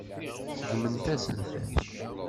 Seggment-asent-ten.